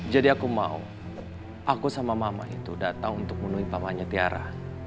jadi aku mau aku sama mama itu datang untuk bunuhi mamanya tiara